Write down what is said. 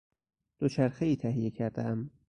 دوچرخهای تهیه کردهام.